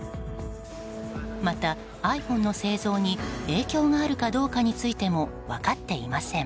また、ｉＰｈｏｎｅの製造に影響があるかどうかについても分かっていません。